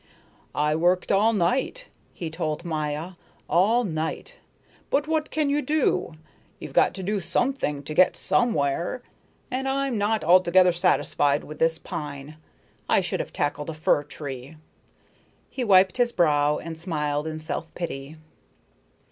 "I worked all night," he told Maya, "all night. But what can you do? You've got to do _some_thing to get _some_where. And I'm not altogether satisfied with this pine; I should have tackled a fir tree." He wiped his brow and smiled in self pity.